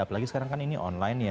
apalagi sekarang kan ini online ya